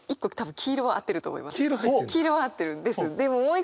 黄色は合ってるんです。